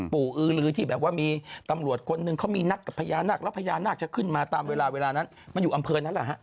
อือลือที่แบบว่ามีตำรวจคนหนึ่งเขามีนัดกับพญานาคแล้วพญานาคจะขึ้นมาตามเวลาเวลานั้นมันอยู่อำเภอนั้นแหละฮะ